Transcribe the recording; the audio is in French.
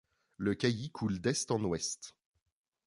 Le Cailly coule d'est en ouest.